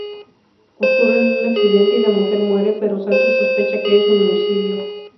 Ocurre un accidente y la mujer muere, pero Santos sospecha que es un homicidio.